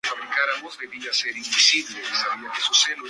El vídeo clip de Ka-Ching!